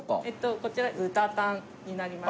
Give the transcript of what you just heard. こちら豚タンになります。